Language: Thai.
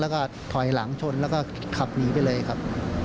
แล้วก็ถอยหลังชนแล้วก็ขับหนีไปเลยครับ